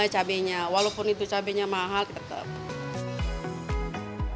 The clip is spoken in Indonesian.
cabainya walaupun itu cabainya mahal tetap